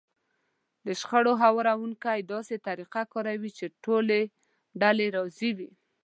د شخړو هواروونکی داسې طريقه کاروي چې ټولې ډلې راضي کړي.